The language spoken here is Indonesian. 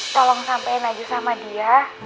tolong sampein aja sama dia